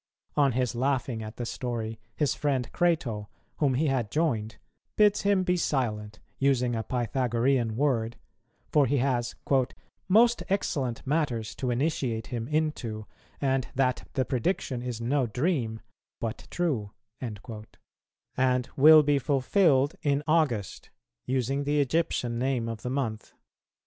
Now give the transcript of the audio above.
On his laughing at the story, his friend Crato, whom he had joined, bids him be silent, using a Pythagorean word; for he has "most excellent matters to initiate him into, and that the prediction is no dream but true," and will be fulfilled in August, using the Egyptian name of the month.